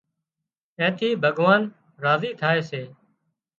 اين ٿِي ڀڳوان راضي ٿائي سي